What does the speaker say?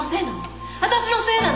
私のせいなの？